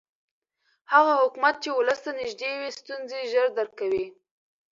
هغه حکومت چې ولس ته نږدې وي ستونزې ژر درک کوي